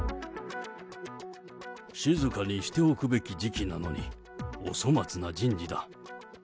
静かにしておくべき時期なのに、お粗末な人事だ。